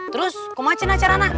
terus gimana caranya